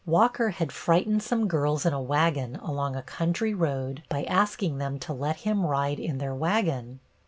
Walker had frightened some girls in a wagon along a country road by asking them to let him ride in their wagon.